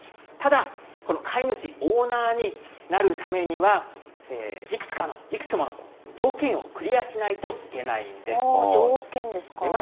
ただ、この飼い主、オーナーになるためには、いくつかの、いくつもの条件をクリアしないといけな条件ですか。